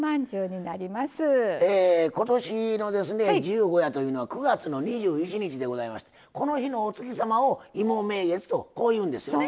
十五夜というのは９月の２１日でございましてこの日のお月様を「芋名月」とこう言うんですよね。